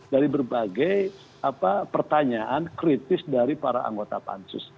dari berbagai pertanyaan kritis dari para anggota pansus